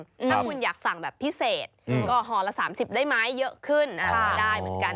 ถ้าคุณอยากสั่งแบบพิเศษก็ห่อละ๓๐ได้ไหมเยอะขึ้นไม่ได้เหมือนกัน